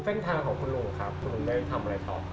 เส้นทางของคุณลุงครับคุณลุงได้ทำอะไรต่อ